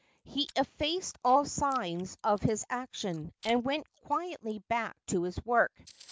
He effaced all signs of his action, and went quietly back to his work.